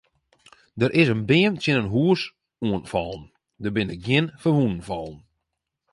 Der is in beam tsjin in hús oan fallen, der binne gjin ferwûnen fallen.